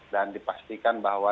dan dipastikan bahwa